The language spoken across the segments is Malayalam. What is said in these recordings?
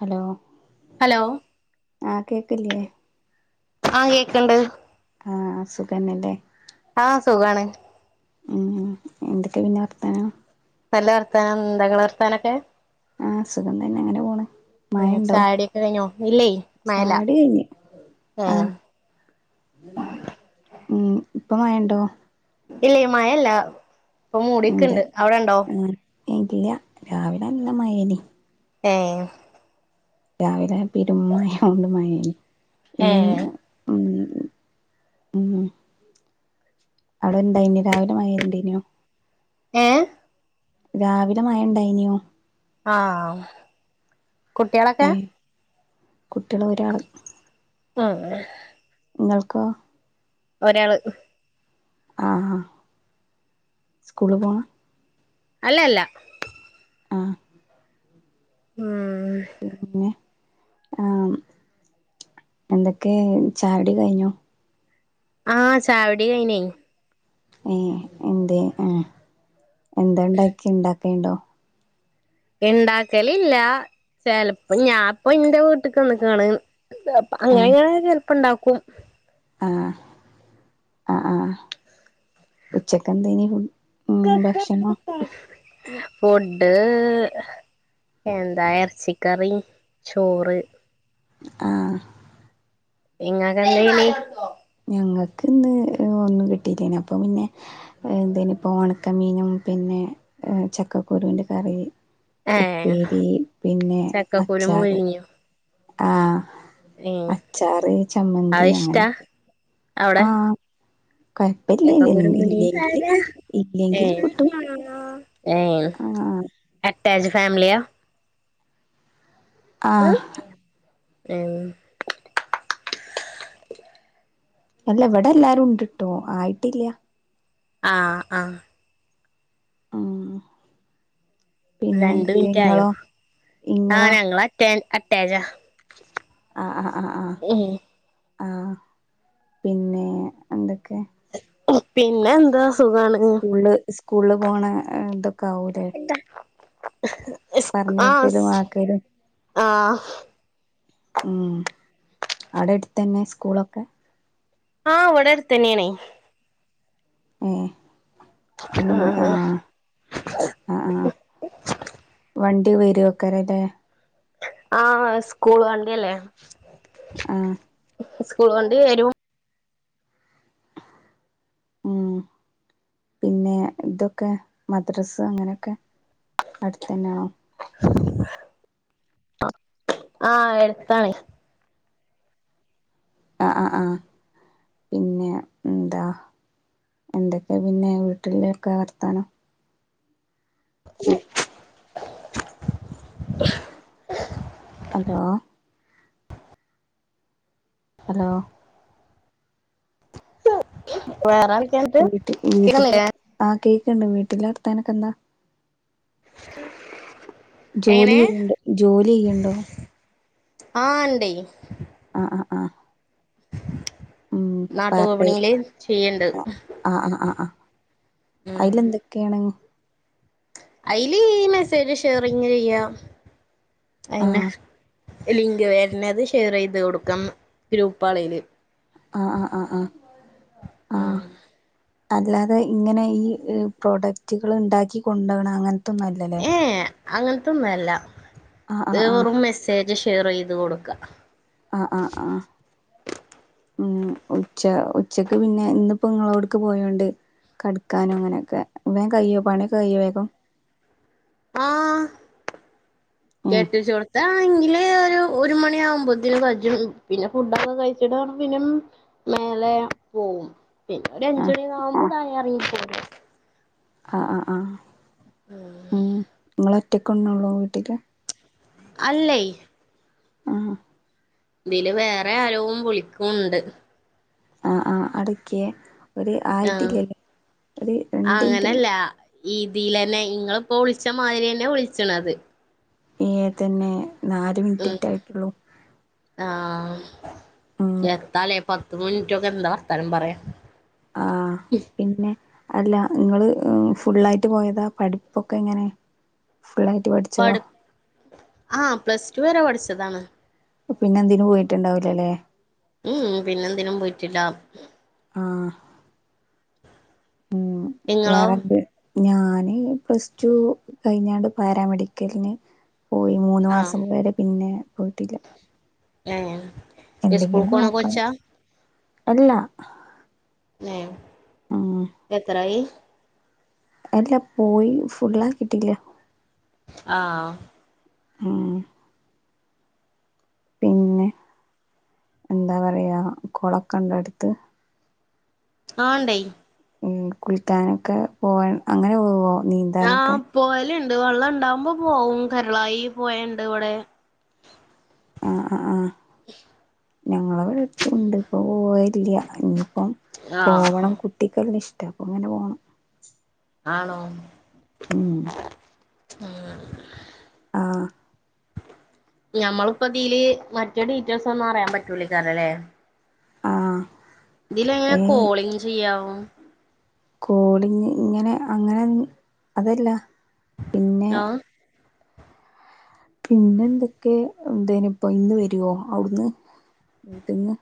ഹലോ ഹലോ ആ കേക്ക്ല്ലേ ആ കേക്ക്ണ്ട് ആ സുഖാന്നല്ലേ ആ സുഖാണ് ഉം എന്തൊക്കെ പിന്നെ വർത്താനം നല്ല വർത്തനം എന്താ ങ്ങളെ വർത്തനൊക്കെ ആ സുഖം തന്നെ അങ്ങനെ പോണ് ഉം മഴണ്ടോ ചായടിയൊക്കെ കഴിഞ്ഞോ ഇല്ലേ മഴ ല്ല ചായുടി കഴിഞ്ഞ് ഏ ആഹ് ഉം ഇപ്പൊ മഴണ്ടോ ഇല്ല മഴല്ല ഇപ്പൊ എന്താ മൂടിക്ക്ണ്ട് അവിടെണ്ടോ ആഹ് ഇല്ല രാവിലെ നല്ല മഴേ നി ഏ രാവിലെ പെരു മഴ കൊണ്ട് മഴേനി പിന്നെ ഏഹ് ഉം ഉം അവിടെ എന്താ ഇനി രാവിലെ മഴണ്ടേനിയോ ഏ രാവിലെ മഴ ഇണ്ടായിനോ ആ കുട്ടിയോളൊക്കെ കുട്ടിയോൾ ഒരാൾ ആ ഇങ്ങൾക്കോ ഒരാള് ആ ആ സ്കൂള് പോണ് അല്ല അല്ല ആ ഉം ആ എന്തൊക്കെ ചായടി കഴിഞ്ഞോ ആ ചായ കുടികഴിഞ്ഞേ ഏ എന്തേ ആ എന്താണ്ടാക്കിയേ ഇണ്ടാക്കേണ്ടോ ഇണ്ടാക്കല് ഇല്ല ചിലപ്പോ ഞാൻപ്പൊ ഇന്റെ വീട്ടക്ക് വന്ന്ക്കാണ് ആ [unintelligible] ചെലപ്പോ ഇണ്ടാക്കും ആ ആ ആഹ ഉച്ചക്കെന്ത ഇനി [unintelligible] [unintelligible] ഫുഡ്‌ എന്താ ഇറച്ചിക്കറി ചോറ്. ആ ഇങ്ങക്ക് എന്തിയിനി ഞങ്ങക്ക് ഇന്ന് ഒന്നും കിട്ടിയില്ലെന്ന് അപ്പോൾ പിന്നെ എന്തേയ്ന് ഇപ്പോ ഉണക്കമീനും പിന്നെ ചക്കക്കുരുന്റെ കറി. ഏ ഉപ്പേരി പിന്നെ ചക്കക്കുരു അച്ചാറ്. മുരിങ്ങിയോ ആ ഏ അച്ചാറ് അത് ചമ്മന്തി ഇഷ്ടാ അങ്ങനെയൊക്കെ. ആ കൊഴപ്പില്ല ചക്കകുരു ഇല്ലെങ്കില് [unintelligible] ഏ ഇല്ലെങ്കില് കിട്ടും ഏ ആ അറ്റാച്ച് ഫാമിലിയ ആ. ഉം അല്ല വടെ എല്ലാരും ഉണ്ടിട്ടോ ആയിട്ടില്ല്യ. ആഹ ആഹ ആ രണ്ട് മിനിറ്റ് ആയോ. ആ ഇങ്ങളോ ഞങ്ങള് അറ്റാന് അറ്റാച ആ് ആ് ആ ആ് ആഹ പിന്നെ [unintelligible] പിന്നെ എന്താ സുഖാണ് സ്കൂള് സ്കൂളില് പോണ എന്തൊ [unintelligible] ആ പറഞ്ഞേക്കലും ആക്കലും ആ ഉം ആടെ അടുത്തന്നെ സ്കൂളൊക്കെ ആഹ് വടെ അടുത്തന്നെണ്. ഏ [unintelligible] ആഹ ആഹ ആഹ് [unintelligible] വരൊക്കാരം ലേ ആഹ സ്കൂൾ വണ്ടില്ലേ. ആഹ സ്കൂൾ വണ്ടി വരും. ഉം പിന്നെ ഇതൊക്കെ മദ്രസ് അങ്ങനെയൊക്കെ അടുത്ത തന്നെയാണോ ആഹ എടുത്തണേ ആ ആ ആ പിന്നെ ന്താ എന്തൊക്കെയ പിന്നെ വീട്ടിലൊക്കെ വർത്താനം. [inaudible] ഹലോ ഹലോ വേറെ ആൾക്കാരുണ്ട് [unintelligible] വീട്ടില് കിടന്നില്ലേ ആ കേക്ക്ണ്ട് വീട്ടില വർത്താനൊക്കെ എന്താ ജോലി എങ്ങനെ ചെയ്യണ്ട ജോലി ചെയ്‌ണ്ടോ ആഹ ഉണ്ടേ ആ ആ ആ ഉം പാർട്ട് ടൈം [unintelligible] ചെയ്യണ്ട് അയിൽ എന്തൊക്കെണ് അതില് ഈ മെസ്സേജ് ഷെയറിങ്ങ് ചെയ്യാം ആ അയന്നെ. ലിങ്ക് വരണത് ഷെയർ ചെയ്ത് കൊടുക്കാം ഗ്രൂപ്പളയില് ആ ആ ആ ആ ആ അല്ലാതെ ഇങ്ങനെ ഈ പ്രോഡക്റ്റുകൾ ഉണ്ടാക്കി കൊണ്ടോണം അങ്ങനത്തൊന്നും അല്ലല്ലേ. അങ്ങനത്തൊന്നുംല്ല ആ ആ ആ വെറും മെസ്സേജ് ഷെയർ ചെയ്ത് കൊടുക്ക ആ ആ ആ ഉം ഉച്ച ഉച്ചക്ക് പിന്നെ ഇന്നപ്പോ നിങ്ങളോടുക്ക് പോയോണ്ട് കട്ക്കാനും അങ്ങനെയൊക്കെ വേകയ്യോ പണി ഒക്കെ കയ്യോ വേഗം ആഹ ഉം കേട്ടിച്ച കൊടുത്താ എങ്കില [inaudible] ഒരു മണി ആകുമ്പോത്തിന് കജും പിന്നെ ഫുഡൊക്കെ കഴിച്ചിട്ട പിന്നെ മേലെ പോവും പിന്നെ ഒരു ആ അഞ്ച മണി ആവുമ്പോ താഴെ എറങ്ങി പോരും ആഹ ആഹ ആഹ ഉം ഇങ്ങള് ഒറ്റക്കന്നള്ളു വീട്ടില് അല്ലയ് ആഹ ഇതില് വേറെ ആരവും വിളിക്കുംണ്ട് ആഹ ആഹ് അടക്കെ ഒരു ആഹ് ആയിട്ടില്ലല്ല ഒരു രണ്ടിൻറ്റ് അങ്ങനല്ല ഇതിലന്നെ ഇങ്ങള് ഇപ്പോ വിളിച്ച മാതിരി അന്നെ വിളിച്ചണത് തന്നെ നാല് മിനിറ്റ്റ്റ ആയിട്ടുള്ളു ആഹ എത്താലേ പത്ത് മിനിറ്റൊക്കെ എന്താ വർത്താനം പറയാ ആഹ പിന്നെ അല്ല നിങ്ങള് ഫുള്ളായിട്ട് പോയതാ പഠിപ്പൊക്കെ എങ്ങനെ ഫുള്ളായിട്ട് പഠിച്ചതോ പഠിപ്പ് ആഹ പ്ലസ് ടു വരെ പഠിച്ചതാണ് പിന്നെ എന്തിനു പോയിട്ടുണ്ടാവില്ലലെ മ്മ് പിന്നെ എന്തിനും പോയിട്ടില്ല ആഹ മ്മ് ഇങ്ങളോ വേറെന്ത് ഞാന് പ്ലസ് ടു കഴിഞ്ഞാണ്ട് പാരാമെഡിക്കലിന് പോയി മൂന്ന് ആഹ് മാസം വരെ പിന്നെ പോയിട്ടില്ല ഏഹ് എന്തെങ്കിലും ഇസ്കൂൾക്ക് പോണ നോക്കണം കൊച്ചാ അല്ലാ ഏഹ് എത്രായി അല്ല പോയി ഫുള്ളാക്കിട്ടില്ല ആ മ്മ് പിന്നെ എന്താ പറയാ കുളം ഒക്കെ ഉണ്ടോ അടുത്ത് ആ ഉണ്ടായി ഈ കുളിക്കാനൊക്കെ പോവാൻ അങ്ങനെ പോവോ നീന്താനൊക്കെ ആഹ് പോവൽ ണ്ട് വെള്ളം ഇണ്ടാവകുമ്പോ പോവും കരളായി പുഴ ണ്ട് ഇവിടെ ആഹ് ആഹ് ആഹ് ഞങ്ങളവിടെ അടുത്തുണ്ട് ഇപ്പൊ പോവലില്ല ഇനിയിപ്പം ആഹ് പോവണം കുട്ടിക്കാലം ഇഷ് ട്ട അപ്പൊ അങ്ങനെ പോകണം ആണോ മ്മ് ആഹ ആഹ ഞമ്മളിപ്പതീല് മറ്റേ ഡീറ്റെയിൽസ് ഒന്നും അറിയാൻ പറ്റൂലേക്കാരം ലേ ആഹ ഇതിലെങ്ങനെ കോളിങ് ചെയ്യാ കോളിങ് ഇങ്ങനെ അങ്ങനെ അതല്ല പിന്നെ ആഹ പിന്നെ എന്തൊക്കെ എന്തേനിപ്പൊ ഇന്ന് വരുവോ അവുട്ന്ന് വീട്ടിന്ന്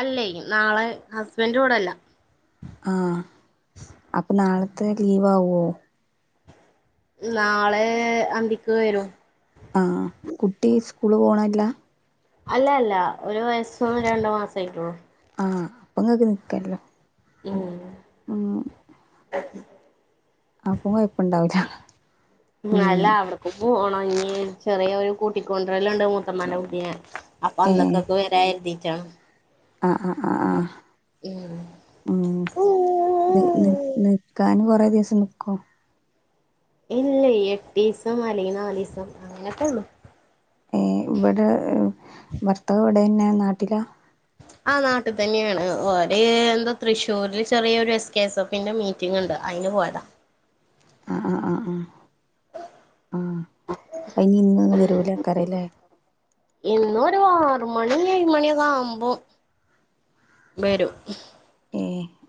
അല്ലയ് നാളെ ഹസ്ബൻഡ് ഇവടെല്ല ആഹ അപ്പൊ നാളത്തെ ലീവ് ആവുവോ നാളെ അന്തിക്ക് വരും ആഹ കുട്ടി സ്കൂളിൽ പോണെല്ല അല്ല അല്ല ഒരു വയസും രണ്ട് മാസവും ആയിട്ടുള്ളൂ ആഹ് അപ്പൊ നിങ്ങൾക്ക് നിക്കാല്ലോ മ്മ് മ്മ് [inaudible] അപ്പൊ കൊഴപ്പണ്ടാവൂല മ്മ് ഉം അല്ല അവിടേക്ക് പോണം ഇനി ചെറിയൊരു കൂട്ടിക്കൊണ്ടു പോരൽ ഇണ്ട് മൂത്തമ്മാന്റെ കുട്ടിയെ അപ്പൊ അന്നക്കേക്ക് വരാന്ന് കരുതീറ്റാണ് ആ ആ അ ആ ഉം മ്മ് നിക്കാന് കുറേ ദിവസം നിക്കോ ഇല്ല എട്ട് ദിവസം അല്ലെങ്കിൽ നാല് ദിവസം അങ്ങനൊക്കെ ഒള്ളു ഏ ഇവിടെ ഭർത്താവ് ഇവിടെന്നെ നാട്ടിലാ ആ നാട്ടിൽ തന്നെയാണ് ഓര് എന്താ തൃശ്ശൂരിൽ ചെറിയൊരു എസ് കെ എസ് എഫി ന്റെ മീറ്റിംഗ് ഉണ്ട് അയിന് പോയതാ ആ ആ ആ ആ ആഹ അയിഞ്ഞി ഇന്നൊന്നും വരൂലെകാരംല്ലേ ഇന്നെരു ആറുമണി ഏഴ് മണി ഒക്കെ ആകുപോ ബരും ഏ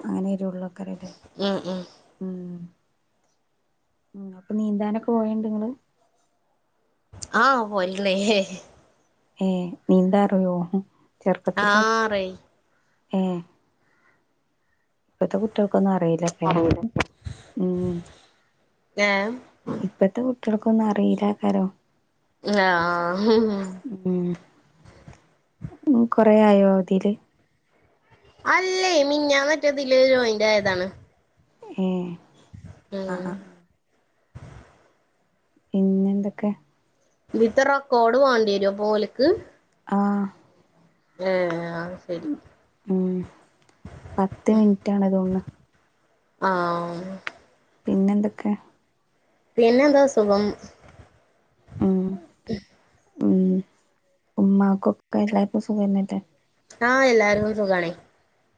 അങ്ങനെ വെരുള്ളൊക്കരല്ലേ ഉം ഉം ഉം ഉ അപ്പൊ നീന്താനൊക്കെ പോവേണ്ടങ്ങള് ആഹ് പോവലണ്ട് ഹേ ഏ നീന്താറിയോ ചെറുപ്പത്തില് പഠിച്ചതാ ആറേ ഏ ഇപ്പത്തെ കുട്ടികൾക്കൊന്നും അറിലലേ ഉം [unintelligible] കുട്ടിയൾക്കൊന്നും അറിയില്ലകാരം ആഹ ഉ കൊറ ആയോ ഇതില് അല്ലേ മിഞ്ഞാൻ മറ്റേതില് ജോയിന്റ ആയതാണ് ഏ അ ഉം ആ പിന്നെന്തൊക്കെ ഇതിത്തെ റെക്കോർഡ് വേണ്ടി വരോ അപോൽക്ക്. ആ ഏ ആ ഉം പത്ത് മിനിറ്റ് ആണ് തോന്നണ് ആഹ പിന്നെന്തൊക്കെ പിന്നെന്താ സുഖം. ഉം ഉമ്മക്കക്കെ എല്ലാർക്കും സുഖനെല്ലെ ആഹ എല്ലാർക്കും സുഖണേ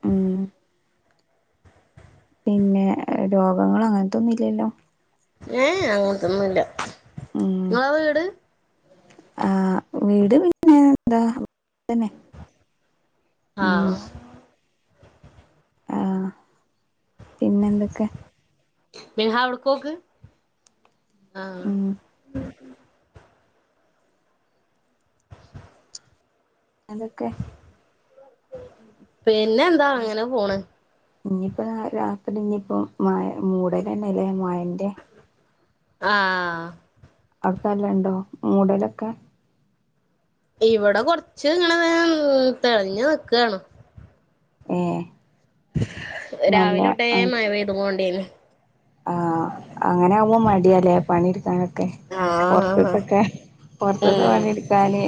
ഉം പിന്നെ രോഗങ്ങള് അങ്ങനത്തൊന്നും ഇല്ലല്ലോ ഏഹ അങ്ങനത്തൊന്നുല്ല ഇങ്ങളെ വീട് ആഹ വീട് പിന്നെ എന്താ ഇവിടെ തന്നെ ആ ഉം ആഹ പിന്നെ എന്തൊക്കെ നിഹാ അവിടുക്കോക്ക് ആ ഉം അതൊക്കെ പിന്നെ എന്താ അങ്ങനെ പോണ് ഇനിയിപ്പോൊ രാത്രി ഇനിയിപ്പ മയ മൂടലന്നെ ല്ലേ മയന്റെ ആഹ്. അടുക്കല്ലണ്ടോ മൂടലൊക്കെ. ഇവിടെ കൊറച്ച് ഇങ്ങനെ തെളിഞ്ഞ നിക്കാണ്. ഏ. നല്ല രാവിലെ ഒട്ടേ മഴപെയ്തോണ്ടണ് ആഹ, അങ്ങനെ ആവുമ്പോ മടിയല്ലേ പണി ഇട്ക്കാനൊക്കെ ആഹ് പൊറത്ത്ട്ടൊക്കെ. പുൊറത്ത്തെ ഉം പണിയെടുക്കാന്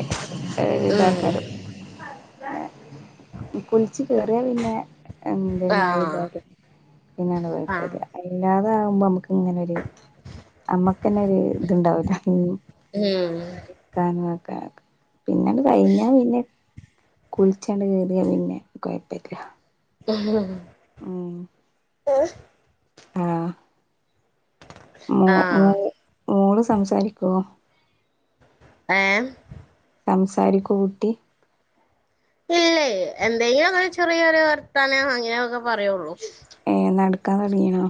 ഉം ഇതാക്കരം പിന്നെ. കുളിച് കേറിയ പിന്നെ എന്ത ആഹ് മഴപെയ്താലും പിന്നെ അണ്ട് ആഹ് കൊയപ്പല്ലാ. ഇല്ലാതെ ആകുമ്പോ നമ്മക്ക് ഇങ്ങനെരു ഞമ്മക്കന്നെ ഒരു ഇത്ണ്ടാവൂല. ഉം [unintelligible] പിന്നണ്ട് കഴിഞ്ഞാ പിന്നെ കുളിച്ചണ്ട് കേറി ന്ന പിന്നെ കുഴപ്പില്ല്യ. ഉം. ഉം. ഏഹ്. ആഹ മോ ആഹ് മോള് മോള് സംസാരിക്കുവോ?? ഏ സംസാരിക്കോ കുട്ടി? ഇല്ലേ, എന്തെങ്കിലും അങ്ങനെ ചെറിയരു വർത്തനോ അങ്ങനെയ ഒക്കെ പറയുള്ളൂ. ഏ നടക്കാൻ തുടങ്ങിനൊ?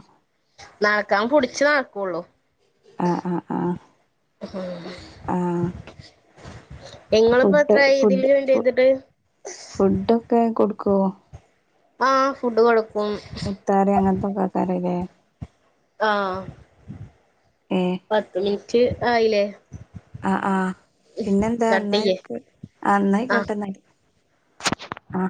നടക്കാന് പുടിച്ച് നടക്കോള്ളു. ആഹ് ആ ആഹ് ആഹ് നിങ്ങളിപ്പോ ഫുഡ് എത്രയായി ഇതിൽ ഫുഡ് ജോയിൻ ഫു ചെയ്തിട്ട് ഫുഡൊക്കെ കൊടുക്കോ? ആഹ് ഫുഡ് കൊടുക്കും. മുത്താറി അങ്ങൻതൊക്കെ ആക്കാറില്ലെ? ആഹ് ഏഹ് പത്ത് മിനിറ്റ് ആയിലെ? ആ ആഹ് പിന്നെന്താ കട്ട് ന്നാ ചെയ്യ് ആയ്കോ ന്നാ ആഹ് ആയ്കോട്ടെ ന്നാല്. ആ